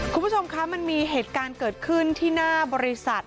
คุณผู้ชมคะมันมีเหตุการณ์เกิดขึ้นที่หน้าบริษัท